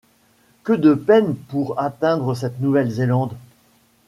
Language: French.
Que de peines pour atteindre cette Nouvelle-Zélande